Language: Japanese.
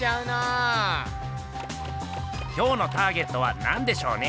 今日のターゲットはなんでしょうね？